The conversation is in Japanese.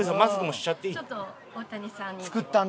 しちゃっていい？